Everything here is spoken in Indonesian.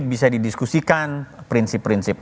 bisa didiskusikan prinsip prinsip